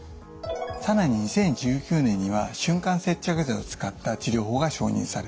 更に２０１９年には瞬間接着剤を使った治療法が承認されています。